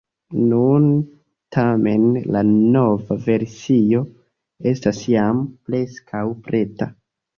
Nun tamen la nova versio estas jam preskaŭ preta.